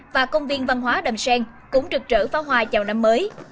và công viên văn hóa đầm sen cũng trực trở pháo hoa chào năm mới